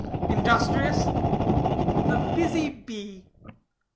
"Industrious?" "The busy bee."